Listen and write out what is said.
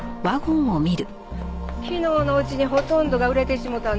昨日のうちにほとんどが売れてしもうたんですよね。